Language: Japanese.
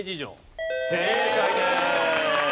正解です。